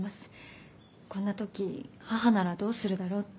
こんな時母ならどうするだろうって。